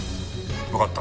わかった。